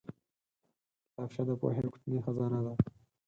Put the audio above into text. کتابچه د پوهې کوچنۍ خزانه ده